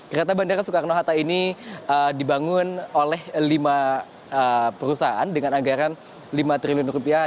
kereta bandara soekarno hatta ini dibangun oleh lima perusahaan dengan anggaran lima triliun rupiah